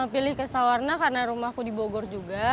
pilih ke sawarna karena rumahku di bogor juga